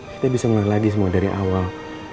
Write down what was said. kita bisa mulai lagi semua dari awal